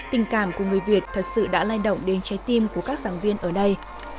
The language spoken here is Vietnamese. tình cảm của người việt thật sự đã lai động đến trái tim của các giảng viên ở đây